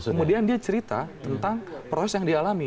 kemudian dia cerita tentang proses yang dialami